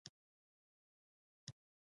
زحمتکشي د انسان د کرکټر او شخصیت ښکارندویه ده.